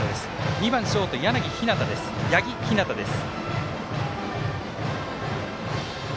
２番ショート、八木陽です。